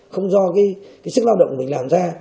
không do cái sức lao động mình làm ra